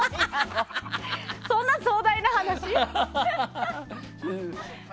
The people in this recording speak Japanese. そんな壮大な話？